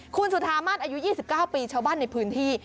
คุณจุธามาศอายุ๒๙ปีชาวบ้านในพื้นที่